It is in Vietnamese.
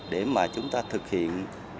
để mà chúng ta thực hiện